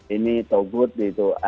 ini tawud gitu